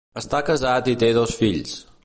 Està casat i té dos fills.